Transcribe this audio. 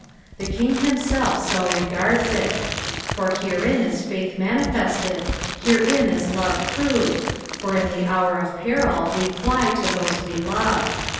The King himself so regards it. For herein is faith manifested, herein ia love proved, for in the hour of peril we fly to tbose we love.